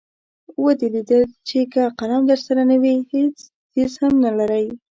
ودې لیدل چې که قلم درسره نه وي هېڅ څیز هم نلرئ.